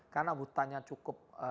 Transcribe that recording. karena hutannya cukup